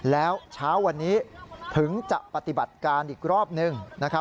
แล้วเช้าวันนี้ถึงจะปฏิบัติการอีกรอบนึง